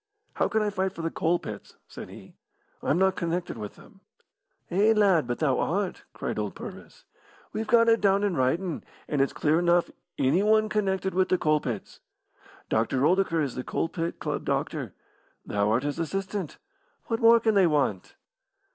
"How can I fight for the coal pits?" said he. "I am not connected with them." "Eh, lad, but thou art!" cried old Purvis. "We've got it down in writin', and it's clear enough 'Anyone connected with the coal pits.' Doctor Oldacre is the coal pit club doctor; thou art his assistant. What more can they want?"